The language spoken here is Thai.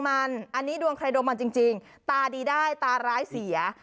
อันนี้ดวงใครดวงมันจริงตาดีได้ตาร้ายเสีย